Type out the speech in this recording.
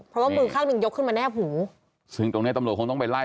เพราะว่ามือข้างหนึ่งยกขึ้นมาแนบหูซึ่งตรงเนี้ยตำรวจคงต้องไปไล่